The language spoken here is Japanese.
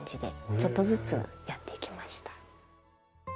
ちょっとずつやっていきました。